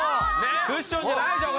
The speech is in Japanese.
クッションじゃないでしょ